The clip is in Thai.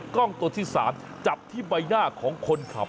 กล้องตัวที่๓จับที่ใบหน้าของคนขับ